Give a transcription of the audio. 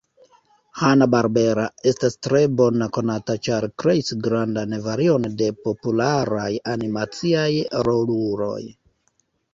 Hanna-Barbera estas tre bone konata ĉar kreis grandan varion de popularaj animaciaj roluloj.